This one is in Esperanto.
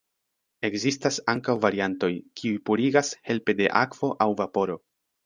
Ekzistas ankaŭ variantoj, kiuj purigas helpe de akvo aŭ vaporo.